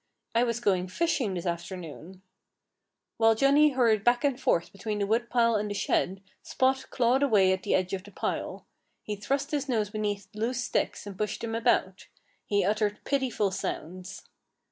"I was going fishing this afternoon." While Johnnie hurried back and forth between the woodpile and the shed Spot clawed away at the edge of the pile. He thrust his nose beneath loose sticks and pushed them about. He uttered pitiful sounds.